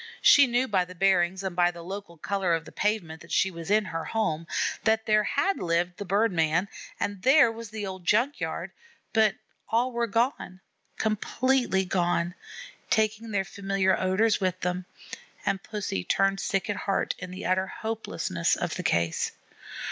She knew by the bearings and by the local color of the pavement that she was in her home, that there had lived the bird man, and there was the old junk yard; but all were gone, completely gone, taking their familiar odors with them, and Pussy turned sick at heart in the utter hopelessness of the case.